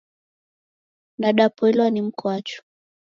Nadapoilwa ni mkwachu.